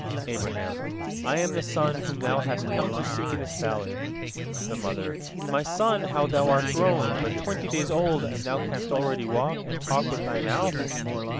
Abraham: "I am the son whom thou hast come to seek in this valley!" The mother: "My son, how thou art grown! But twenty days old, and thou canst already walk, and talk with thy mouth!"